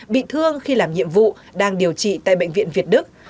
bị thương khi làm nhiệm vụ đang điều trị tại bệnh viện việt đức